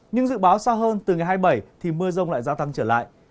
nhưng dự báo xa hơn từ ngày hai mươi bảy thì mưa rông lại gia tăng trở lại